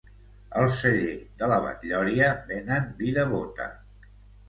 Al celler de la Batllòria venen vi de bota